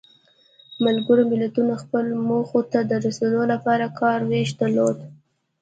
ملګرو ملتونو خپلو موخو ته د رسیدو لپاره کار ویش درلود.